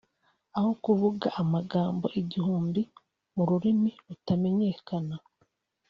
aho kuvuga amagambo igihumbi mu rurimi rutamenyekana